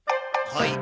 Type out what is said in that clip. はい。